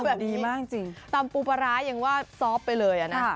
โอ้โหคุณดีมากจริงจริงตามปูปะร้ายยังว่าซอฟต์ไปเลยอะนะ